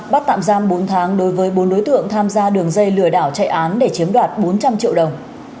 bắt tạm giam bốn tháng đối với bốn đối tượng tham gia đường dây lừa đảo chạy án để chiếm đoạt bốn trăm linh triệu đồng